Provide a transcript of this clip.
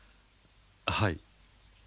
はい。